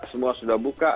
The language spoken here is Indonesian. semua sudah buka